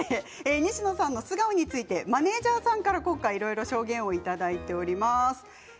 西野さんの素顔についてマネージャーさんからいろいろ証言をいただいています。